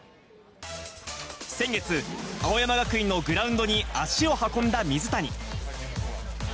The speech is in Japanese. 先月、青山学院のグラウンドに足を運んだ水谷。